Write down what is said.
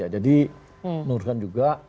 jadi menurut saya juga